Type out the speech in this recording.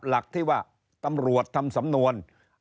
หลักที่ว่าตำรวจทำสำนวน